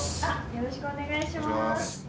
よろしくお願いします。